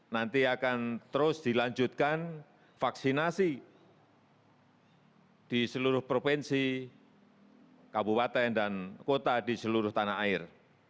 nanti akan terus dilanjutkan vaksinasi di seluruh provinsi kabupaten dan kota di seluruh tanah air